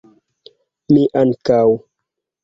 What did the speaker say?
Mi ankaŭ!